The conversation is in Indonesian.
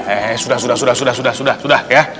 eh sudah sudah sudah sudah sudah ya